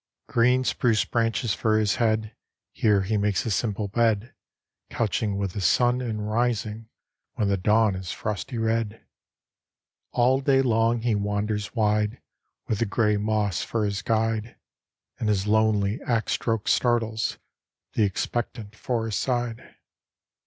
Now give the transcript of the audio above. Green spruce branches for his head, Here he makes his simple bed, Couching with the sun, and rising When the dawn is frosty red. All day long he wanders wide With the gray moss for his guide, And his lonely axe stroke startles The expectant forest side.